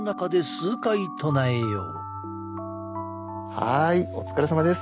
はいお疲れさまです。